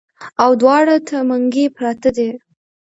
او دواړو ته منګي پراتۀ دي